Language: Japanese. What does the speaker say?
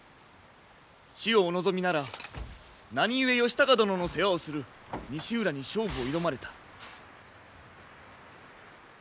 死をお望みなら何故義高殿の世話をする西浦に勝負を挑まれた？